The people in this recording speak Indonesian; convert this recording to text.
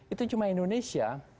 itu cuma indonesia